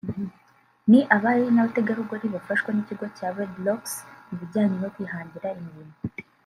ni abari n’abategarugori bafashwa n’ikigo cya Redrocks mu bijyanye no kwihangira imirimo